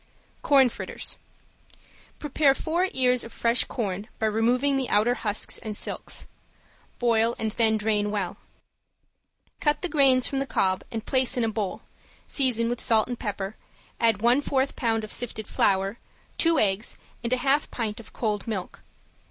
~CORN FRITTERS~ Prepare four ears of fresh corn by removing the outer husks and silks; boil and then drain well. Cut the grains from the cobs and place in a bowl, season with salt and pepper, add one fourth pound of sifted flour, two eggs and a half pint of cold milk.